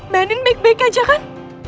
menin beg beg aja kan